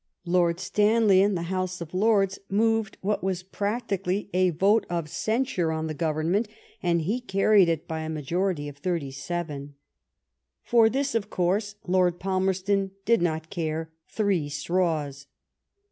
Lord Stanley in the House of Lords moved what was practically a vote of cen sure on the Government, and he carried it by a majority of thirty seven. For this, of course, Lord Palmerston did not care three straws.